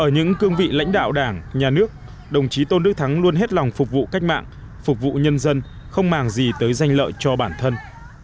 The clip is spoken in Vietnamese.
ở những cương vị lãnh đạo đảng nhà nước đồng chí tôn đức thắng luôn hết lòng phục vụ cách mạng phục vụ nhân dân không màng gì tới danh lợi cho bản thân